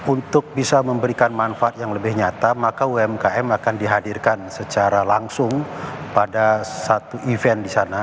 untuk bisa memberikan manfaat yang lebih nyata maka umkm akan dihadirkan secara langsung pada satu event di sana